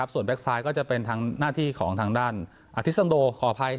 ส่วนแก๊กซ้ายก็จะเป็นทางหน้าที่ของทางด้านอธิสันโดขออภัย